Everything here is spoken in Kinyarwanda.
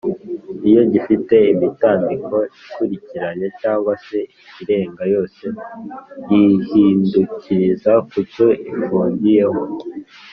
iyo gifite imitambiko ikurikiranye cg se irenga yose yihindukiriza kucyo ifungiyeho